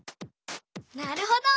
なるほど。